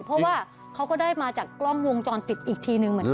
เพราะว่าเขาก็ได้มาจากกล้องวงจรปิดอีกทีนึงเหมือนกัน